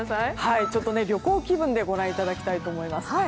旅行気分でご覧いただきたいと思います。